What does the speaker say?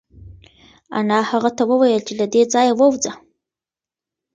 انا هغه ته وویل چې له دې ځایه ووځه.